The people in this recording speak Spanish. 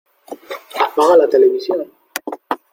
¡Apaga la televisión!